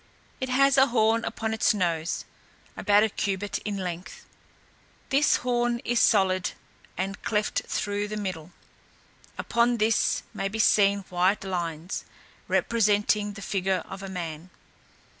It has a horn upon its nose, about a cubit in length; this horn is solid, and cleft through the middle, upon this may be seen white lines, representing the figure of a man.